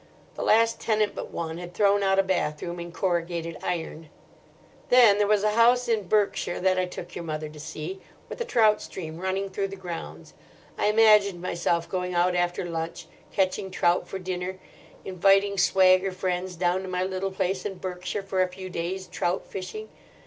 The last tenant but one had thrown out a bathroom in corrugated iron." "Then there was a house in Berkshire that I took your mother to see, with a trout stream running through the grounds. I imagined myself going out after lunch, catching trout for dinner; inviting swagger friends down to 'my little place in Berkshire' for a few days' trout fishing.